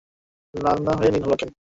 আমার সেটা জানা ছিল না।